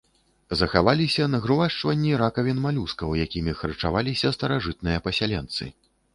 Захаваліся нагрувашчванні ракавін малюскаў, якімі харчаваліся старажытныя пасяленцы.